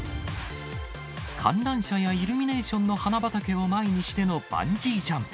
観覧車やイルミネーションの花畑を前にしてのバンジージャンプ。